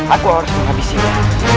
aku harus menghabisinya